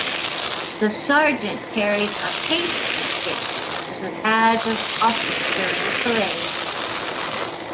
The Sergeant carries a pace stick as a badge of office during parades.